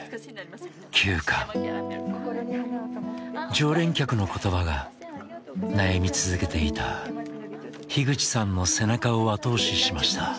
常連客の言葉が悩み続けていた口さんの背中を後押ししました。